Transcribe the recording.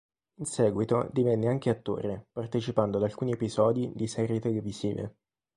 In seguito divenne anche attore partecipando ad alcuni episodi di serie televisive.